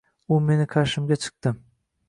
U meni qarshimga chiqdi.